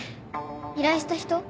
依頼した人？